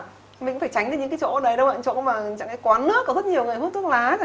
mình cũng phải tránh những cái chỗ đấy đâu những chỗ mà quán nước có rất nhiều người hút thuốc lá